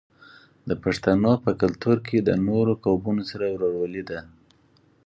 د پښتنو په کلتور کې د نورو قومونو سره ورورولي ده.